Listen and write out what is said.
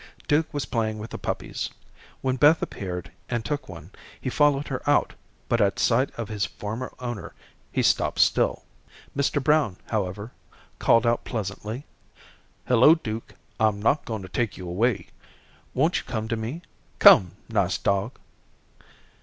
Duke was playing with the puppies. When Beth appeared and took one he followed her out, but at sight of his former owner, he stopped still. Mr. Brown, however, called out pleasantly: "Hello, Duke, I'm not going to take you away. Won't you come to me? Come, nice dog."